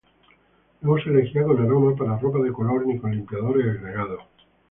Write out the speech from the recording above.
No use lejía con aroma, para ropa de color ni con limpiadores agregados.